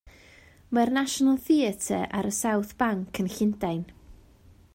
Mae'r National Theatre ar y South Bank yn Llundain.